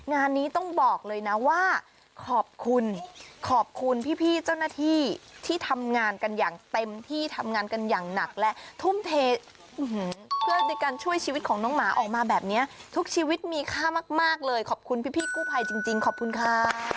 งานนี้ต้องบอกเลยนะว่าขอบคุณขอบคุณพี่เจ้าหน้าที่ที่ทำงานกันอย่างเต็มที่ทำงานกันอย่างหนักและทุ่มเทเพื่อในการช่วยชีวิตของน้องหมาออกมาแบบนี้ทุกชีวิตมีค่ามากเลยขอบคุณพี่กู้ภัยจริงขอบคุณค่ะ